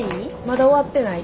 まだ終わってない。